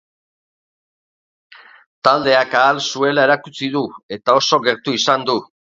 Taldeak ahal zuela erakutsi du, eta oso gertu izan du.